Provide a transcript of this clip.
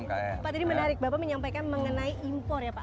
pak tadi menarik bapak menyampaikan mengenai impor ya pak